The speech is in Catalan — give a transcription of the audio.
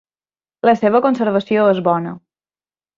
La seva conservació és bona.